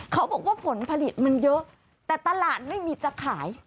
เขาบอกว่าผลผลิตมันเยอะแต่ตลาดไม่มีจะขาย